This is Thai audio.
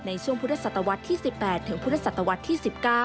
ในช่วงพุทธศาสตร์วัดที่๑๘ถึงพุทธศาสตร์วัดที่๑๙